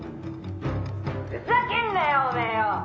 「ふざけんなよ！おめえよ！」